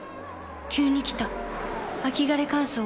急に来た秋枯れ乾燥。